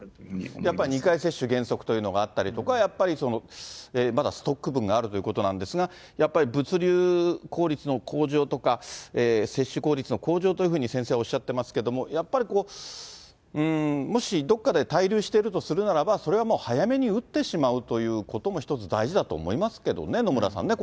やっぱり２回接種原則というのがあったりとか、やっぱりまだストック分があるということなんですが、やっぱり物流効率の向上とか、接種効率の向上とか先生はおっしゃってますけれども、やっぱりこう、うーん、もしどっかで滞留しているとするならば、それはもう、早めに打ってしまうということも一つ大事だと思いますけどね、野